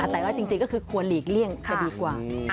แต่ว่าจริงก็คือควรหลีกเลี่ยงจะดีกว่า